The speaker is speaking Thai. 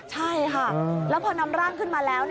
ใช่ค่ะแล้วพอนำร่างขึ้นมาแล้ว